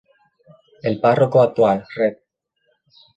El párroco actual, Rev.